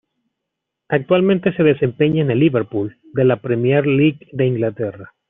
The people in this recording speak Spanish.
Actualmente se desempeña en el Liverpool de la Premier League de Inglaterra.